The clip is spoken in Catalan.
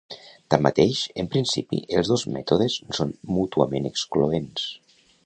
Tanmateix, en principi, els dos mètodes no són mútuament excloents.